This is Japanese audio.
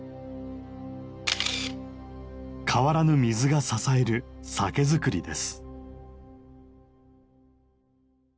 変わらぬ水が支える酒造りです。